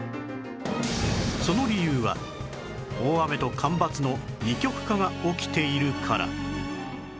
その理由は大雨と干ばつの二極化が起きているから